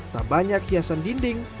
tak banyak hiasan dinding